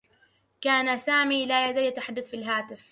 كان سامي لا يزال يتحدّث في الهاتف.